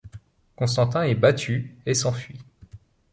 Constantin est battu et s'enfuit.